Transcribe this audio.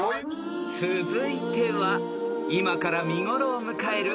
［続いては今から見頃を迎える］